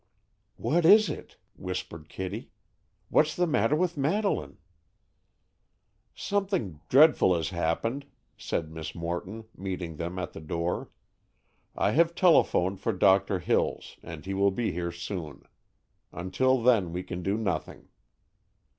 "What is it?" whispered Kitty. "What's the matter with Madeleine?" "Something dreadful has happened," said Miss Morton, meeting them at the door. "I have telephoned for Doctor Hills and he will be here soon. Until then we can do nothing."